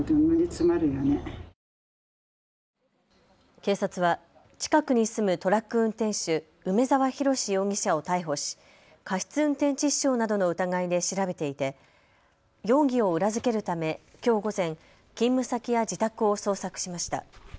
警察は近くに住むトラック運転手、梅澤洋容疑者を逮捕し、過失運転致死傷などの疑いで調べていて容疑を裏付けるため、きょう午前、勤務先や自宅を捜索しました。